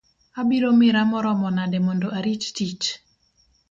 Abiro mira maromo nade mondo arit tich?